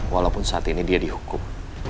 walaupun saat ini dia dihukum